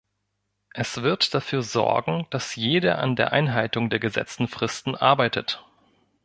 Es wird dafür sorgen, dass jeder an der Einhaltung der gesetzten Fristen arbeitet.